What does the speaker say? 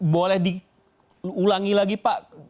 boleh diulangi lagi pak